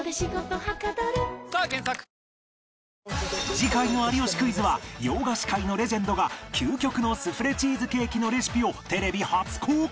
次回の『有吉クイズ』は洋菓子界のレジェンドが究極のスフレチーズケーキのレシピをテレビ初公開